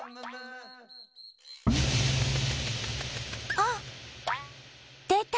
あっでた！